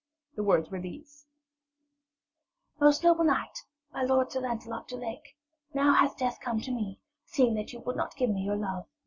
The words were these: 'Most noble knight, my lord Sir Lancelot du Lake, now hath death come to me, seeing that you would not give me your love.